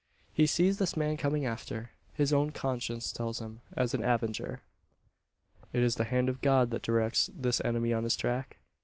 He sees this man coming after his own conscience tells him as an avenger! Is it the hand of God that directs this enemy on his track?